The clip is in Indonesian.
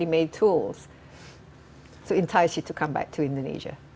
bisa membuat anda ingin kembali ke indonesia